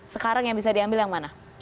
sekarang yang bisa diambil yang mana